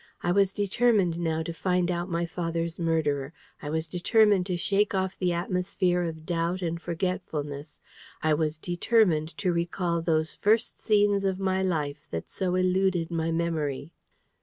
I was determined now to find out my father's murderer. I was determined to shake off the atmosphere of doubt and forgetfulness. I was determined to recall those first scenes of my life that so eluded my memory.